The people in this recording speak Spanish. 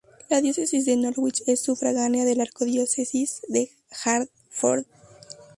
La Diócesis de Norwich es sufragánea d la Arquidiócesis de Hartford.